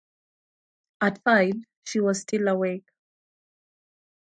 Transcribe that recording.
At five she was still awake.